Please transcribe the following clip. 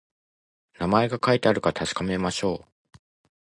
名前が書いてあるか確かめましょう